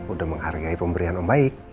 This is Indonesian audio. udah menghargai pemberian om baik